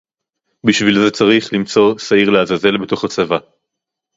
בשביל זה צריך למצוא שעיר לעזאזל בתוך הצבא